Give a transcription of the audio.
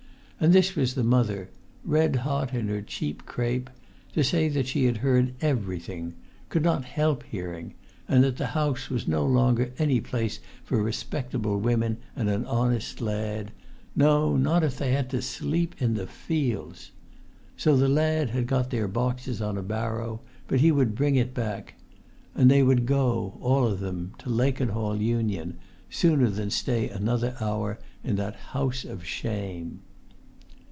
And this was the mother, red hot in her cheap crape, to say that she had heard everything—could not help hearing—and that house was no longer any place for respectable women and an honest lad—no, not if they had to sleep in the fields. So the lad had got their boxes on a barrow, but he would bring it back. And they would go, all of them, to Lakenhall Union, sooner than stay another hour in that house of shame.